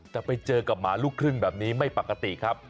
แต่ไปเจอกับหมาลูกครึ่งแบบนี้ไม่ปกติครับ